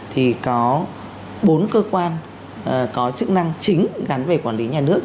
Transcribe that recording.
thì có bốn cơ quan có chức năng chính gắn về quản lý nhà nước